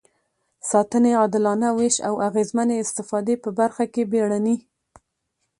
ساتنې، عادلانه وېش او اغېزمنې استفادې په برخه کې بیړني.